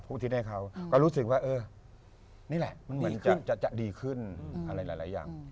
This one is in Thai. ทิศให้เขาก็รู้สึกว่าเออนี่แหละมันเหมือนจะดีขึ้นอะไรหลายอย่าง